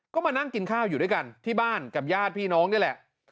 ก็มานั่งกินข้าวอยู่ด้วยกันที่บ้านกับญาติพี่น้องนี่แหละ